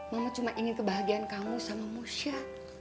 mama cuma ingin kebahagiaan kamu sama musya